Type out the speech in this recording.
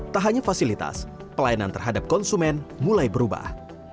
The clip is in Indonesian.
tak hanya fasilitas pelayanan terhadap konsumen mulai berubah